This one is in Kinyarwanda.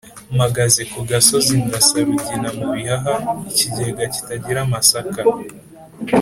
Mpagaze ku gasozi ndasa Rugina mu bihaha-Ikigega kitagira amasaka.